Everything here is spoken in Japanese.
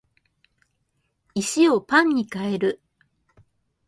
石をパンに変える